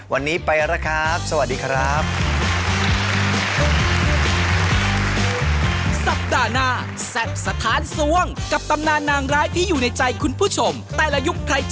วันนี้ไปแล้วครับสวัสดีครับ